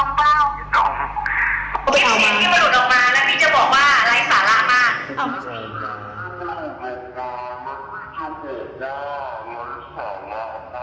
มุนตรีสุรรัสมุตรปีชา